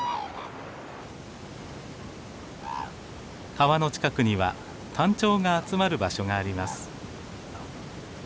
川の近くにはタンチョウが集まる場所があります。